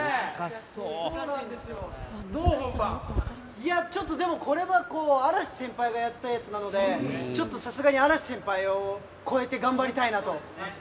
いや、ちょっとこれは嵐先輩がやったやつなので、ちょっとさすがに嵐先輩を超えて頑張りたいなと。